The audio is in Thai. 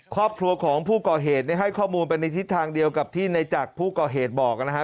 ครอบครัวของผู้ก่อเหตุให้ข้อมูลไปในทิศทางเดียวกับที่ในจักรผู้ก่อเหตุบอกนะฮะ